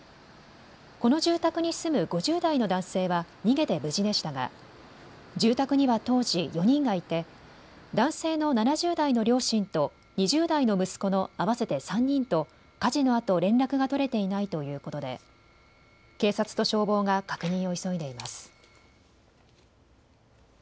この住宅に住む５０代の男性は逃げて無事でしたが住宅には当時、４人がいて男性の７０代の両親と２０代の息子の合わせて３人と火事のあと連絡が取れていないということで、警察と消防が確認を急いでいます。